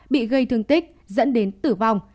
bị gây thương tích dẫn đến tử vong